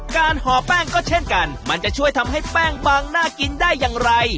ห่อแป้งก็เช่นกันมันจะช่วยทำให้แป้งบางน่ากินได้อย่างไร